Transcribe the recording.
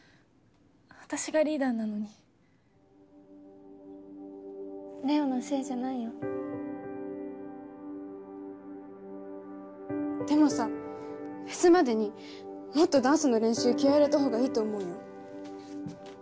私がリーダーなのにれおのせいじゃないよでもさフェスまでにもっとダンスの練習気合い入れたほうがいいと思うよ